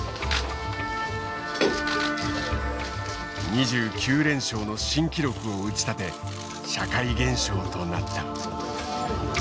２９連勝の新記録を打ち立て社会現象となった。